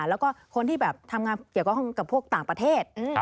แล้วก็คนที่แบบทำงานเกี่ยวข้องกับพวกต่างประเทศ